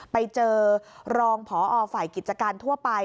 ไปเจอรองพอฝ่ายกิจการทั่วไป